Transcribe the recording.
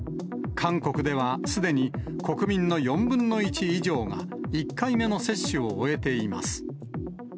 韓国ではすでに国民の４分の１以上が１回目の接種を終えています。